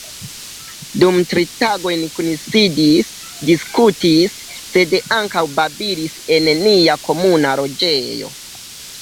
Dum tri tagoj ni kunsidis, diskutis, sed ankaŭ babilis en nia komuna loĝejo.